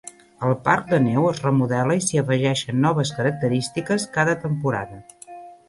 El parc de neu es remodela i s'hi afegeixen noves característiques cada temporada.